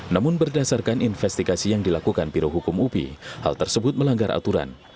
namun berdasarkan investigasi yang dilakukan birohukum upi hal tersebut melanggar aturan